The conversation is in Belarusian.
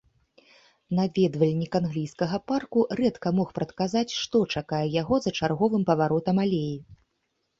Наведвальнік англійскага парку рэдка мог прадказаць, што чакае яго за чарговым паваротам алеі.